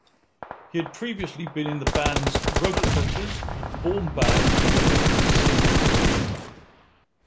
He had previously been in the bands Rugcutters, Born Bad and the Memphis Sinners.